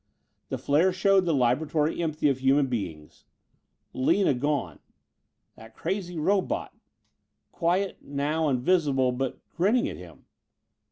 The flare showed the laboratory empty of human beings ... Lina gone ... that crazy robot ... quiet now, and visible ... but grinning at him